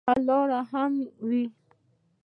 حل لارې هم وي.